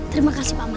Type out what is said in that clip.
terima kasih paman